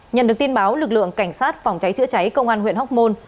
nhận được tin báo lực lượng cảnh sát phòng cháy chữa cháy công an huyện hóc môn